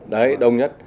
đấy đông nhất